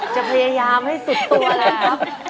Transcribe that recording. จะพยายามให้สุดตัวนะครับ